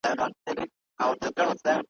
چي پر مځکه خوځېدله د ده ښکار وو ,